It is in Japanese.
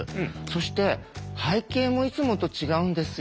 そして背景もいつもと違うんですよ。